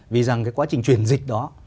vì rằng cái quá trình chuyển dịch đó